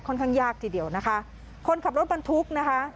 ค่อนข้างยากทีเดียวนะคะคนขับรถมันทุกข์นะคะ